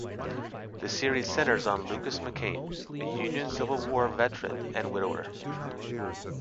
The series centers on Lucas McCain, a Union Civil War veteran and widower.